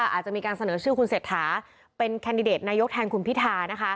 อาจจะมีการเสนอชื่อคุณเศรษฐาเป็นแคนดิเดตนายกแทนคุณพิธา